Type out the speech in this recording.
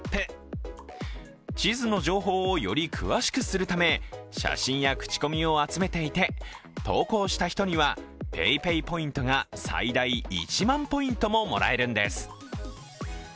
地図の情報をより詳しくするため写真や口コミを集めていて投稿した人にはＰａｙＰａｙポイントが最大１万ポイントももらえるんです。